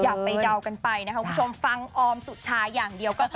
อย่าไปเดากันไปนะครับคุณผู้ชมฟังออมสุชาอย่างเดียวก็